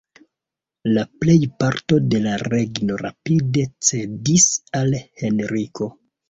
La plejparto de la regno rapide cedis al Henriko.